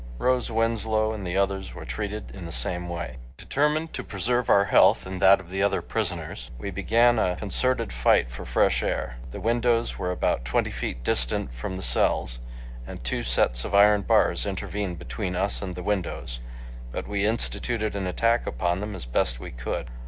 Rose Winslow and the others were treated in the same way. Determined to preserve out health and that of the other prisoners, we began a concerted fight for fresh air. The windows were about twenty feet distant from the cells, and two sets of iron bars intervened between us and the windows, but we instituted an attack upon them as best we could.